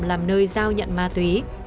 làm nơi giao nhận ma tuy